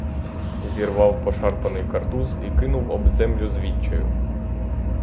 Зірвав пошарпаний картуз і кинув об землю з відчаю.